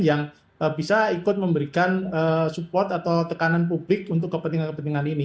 yang bisa ikut memberikan support atau tekanan publik untuk kepentingan kepentingan ini